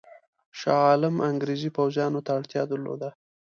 شاه عالم انګرېزي پوځیانو ته اړتیا درلوده.